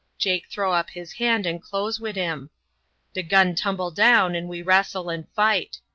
Jake throw up his hand and close wid him. De gun tumble down and we wrastle and fight.